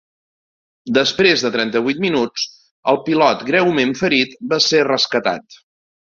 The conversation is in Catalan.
Després de trenta-vuit minuts, el pilot, greument ferit, va ser rescatat.